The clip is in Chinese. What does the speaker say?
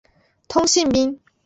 通信兵。